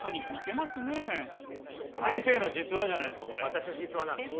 私の実話なんです。